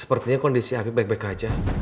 sepertinya kondisi afif baik baik aja